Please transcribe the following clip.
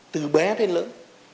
từ bé đến lớn